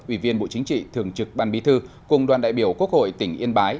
ủy viên bộ chính trị thường trực ban bí thư cùng đoàn đại biểu quốc hội tỉnh yên bái